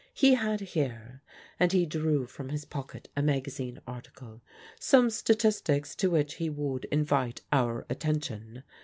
He had here" and he drew from his pocket a magazine article "some statistics to which he would invite our attention.